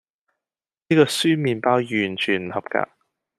呢個酸麵包完全唔合格